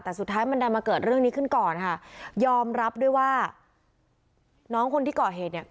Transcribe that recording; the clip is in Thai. แต่สุดท้ายมันดันมาเกิดเรื่องนี้ขึ้นก่อนค่ะยอมรับด้วยว่าน้องคนที่ก่อเหตุเนี่ย